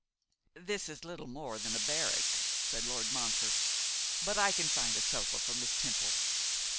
'This is little more than a barrack,' said Lord Montfort; 'but I can find a sofa for Miss Temple.